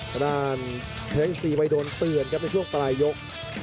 กระดานแท้งสี่ไปโดนเตือนครับในช่วงปลายยก